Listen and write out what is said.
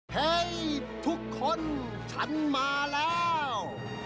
ให้ทุกคนฉันมาแล้ว